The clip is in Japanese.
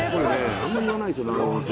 あんま言わないでしょ